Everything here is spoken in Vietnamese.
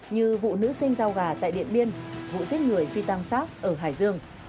như vụ nữ sinh giao gà tại điện biên vụ giết người phi tăng sát ở hải dương